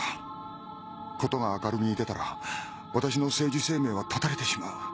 事が明るみに出たら私の政治生命は絶たれてしまう。